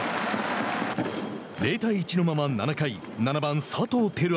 ０対１のまま７回、７番佐藤輝明。